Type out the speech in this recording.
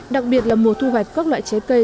đặc biệt là mùa thu hoạch các loại trái cây